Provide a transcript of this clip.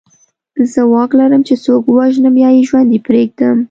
زه واک لرم چې څوک ووژنم یا یې ژوندی پرېږدم